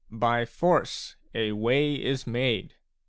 By force a way is made.